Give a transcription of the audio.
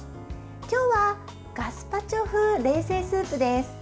今日はガスパチョ風冷製スープです。